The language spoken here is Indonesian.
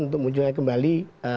untuk munculnya kembali